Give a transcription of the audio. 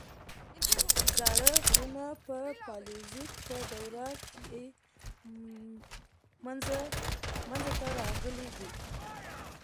زاړه غرونه په پالیوزویک په دوره کې منځته راغلي دي.